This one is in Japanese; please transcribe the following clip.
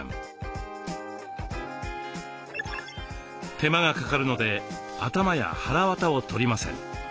手間がかかるので頭やはらわたを取りません。